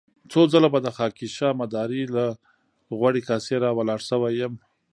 څو ځله به د خاکيشاه مداري له غوړې کاسې را ولاړ شوی يم.